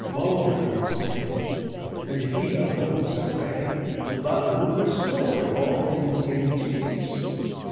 Balder is dead, and Hela holds her prey, But will restore, if all things give him tears.